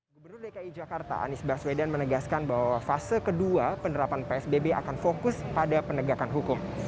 gubernur dki jakarta anies baswedan menegaskan bahwa fase kedua penerapan psbb akan fokus pada penegakan hukum